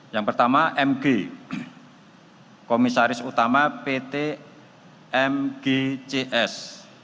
yang pertama mg komisaris utama pt mgcs